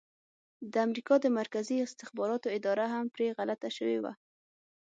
د امریکا د مرکزي استخباراتو اداره هم پرې غلطه شوې وه.